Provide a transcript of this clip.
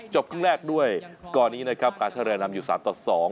ครึ่งแรกด้วยสกอร์นี้นะครับการท่าเรือนำอยู่๓ต่อ๒